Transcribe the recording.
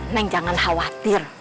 neng jangan khawatir